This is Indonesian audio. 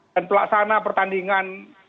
dan pelaksana pertandingan